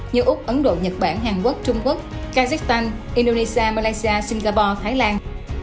như úc ấn độ nhật bản hàn quốc trung quốc kazakhstan indonesia malaysia singapore thái lan